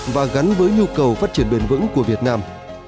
và gắn với nhu cầu phát triển bền vững của việt nam